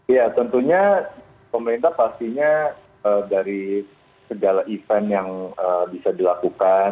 ya tentunya pemerintah pastinya dari segala event yang bisa dilakukan